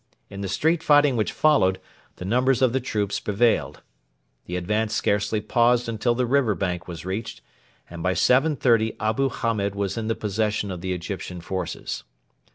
In the street fighting which followed, the numbers of the troops prevailed. The advance scarcely paused until the river bank was reached, and by 7.30 Abu Hamed was in the possession of the Egyptian forces.